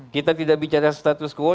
kita tidak bicara status quo